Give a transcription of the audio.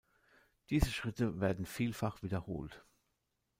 Diese Schritte werden vielfach wiederholt.